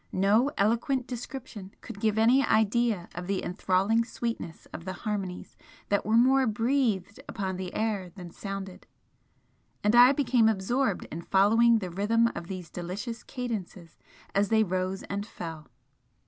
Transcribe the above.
No eloquent description could give any idea of the enthralling sweetness of the harmonies that were more BREATHED upon the air than sounded and I became absorbed in following the rhythm of the delicious cadences as they rose and fell.